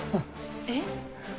えっ？